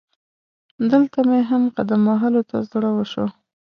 دلته مې هم قدم وهلو ته زړه وشو.